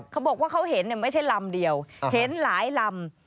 เขาบอกว่าเขาเห็นไม่ใช่ลำเดียวเห็นหลายลำ